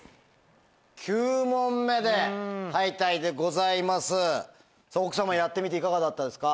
９問目で敗退でございます。